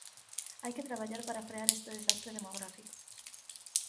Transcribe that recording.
Hai que traballar para frear este desastre demográfico.